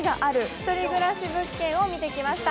１人暮らしの物件を見てきました。